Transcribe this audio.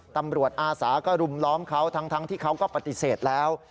อาสาก็รุมล้อมเขาทั้งที่เขาก็ปฏิเสธแล้ว